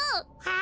は？